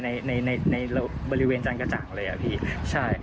ในในบริเวณจันกระจ่างเลยอ่ะพี่ใช่